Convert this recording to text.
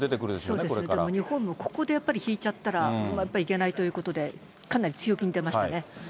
そうですね、でも日本もここで引いちゃったら、やっぱりいけないということで、かなり強気に出ましたね。